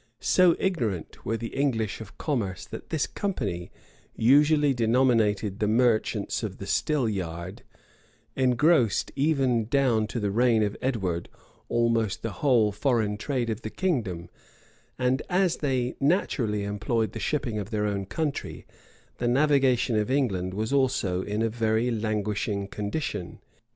So ignorant were the English of commerce, that this company, usually denominated the merchants of the "stil yard," engrossed, even down to the reign of Edward, almost the whole foreign trade of the kingdom; and as they naturally employed the shipping of their own country, the navigation of England was also in a very languishing condition.